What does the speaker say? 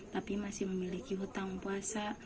tapi masih memiliki hutang puasa